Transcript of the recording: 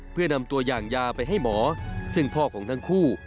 เพื่อนำตัวอย่างยาไปให้หมอซึ่งพ่อของทั้งคู่